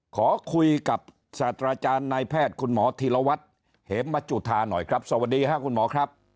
ขอคุยกับศาสตราจารย์นายแพทย์คุณหมอธีรวัตรเหมจุธาหน่อยครับสวัสดีค่ะคุณหมอครับ